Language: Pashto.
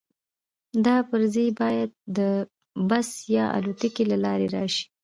دا پرزې باید د بس یا الوتکې له لارې راشي